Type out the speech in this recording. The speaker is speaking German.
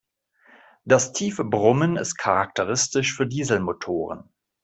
Das tiefe Brummen ist charakteristisch für Dieselmotoren.